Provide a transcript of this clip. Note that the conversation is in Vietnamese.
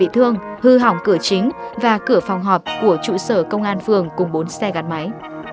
thương hư hỏng cửa chính và cửa phòng họp của trụ sở công an phường cùng bốn xe gắn máy